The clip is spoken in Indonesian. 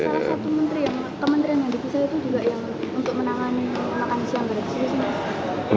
salah satu menteri kementerian yang dipisah itu juga yang untuk menangani makan siang dari sini sih mas